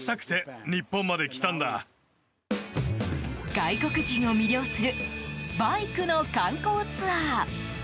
外国人を魅了するバイクの観光ツアー。